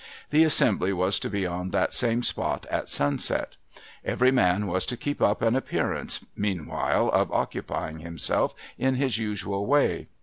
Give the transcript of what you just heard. The assembly was to be on that same spot at sunset. Every man Avas to keep up an appearance, meanwhile, of occupying himself in his usual way.